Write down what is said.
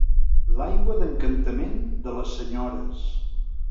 L'aigua d'encantament de les senyores